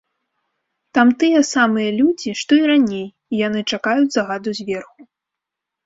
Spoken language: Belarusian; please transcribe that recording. Там тыя самыя людзі, што і раней, і яны чакаюць загаду зверху.